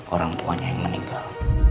orang tuanya yang meninggal